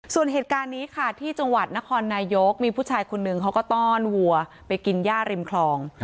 ส่วนเหตุการณ์นี้ค่ะที่จังหวัดนครนายกมีผู้ชายคนนึงเขาก็ต้อนวัวไปกินย่าริมคลอง